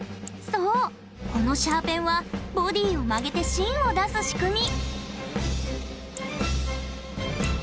そうこのシャーペンはボディを曲げて芯を出す仕組み！